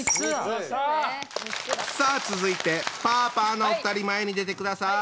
さあ続いてパーパーのお二人前に出てください。